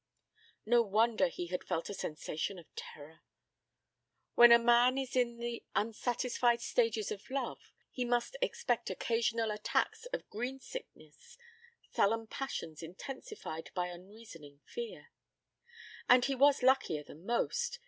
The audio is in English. No wonder he had felt a sensation of terror. When a man is in the unsatisfied stages of love he must expect occasional attacks of greensickness, sullen passions intensified by unreasoning fear. And he was luckier than most.